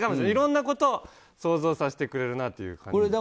いろんなことを想像させてくれるなという感じ。